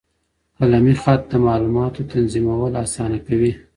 قلمي خط د معلوماتو تنظیمول اسانه کوي.